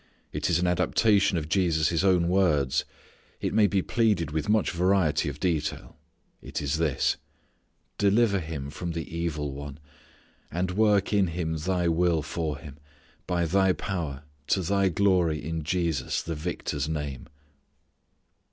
It is an adaptation of Jesus' own words. It may be pleaded with much variety of detail. It is this: deliver him from the evil one; and work in him Thy will for him, by Thy power to Thy glory in Jesus, the Victor's name.